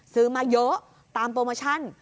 ซื้อมาเยอะตามโปรโมชั่น